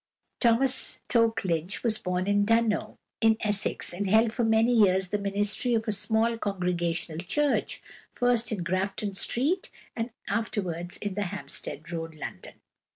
=Thomas Toke Lynch (1818 1871)= was born at Dunmow, in Essex, and held for many years the ministry of a small Congregational Church, first in Grafton Street and afterwards in the Hampstead Road, London.